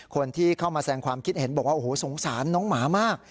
คนที่เข้ามาแสงความคิดเห็นบอกว่าโอ้โหสงสารน้องหมามาก